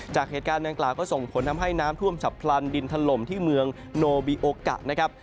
จากเหตุการณ์ดังกล่าวก็ส่งผลทำให้น้ำท่วมฉับพลันดินถล่มที่เมืองโนบิโอกะนะครับ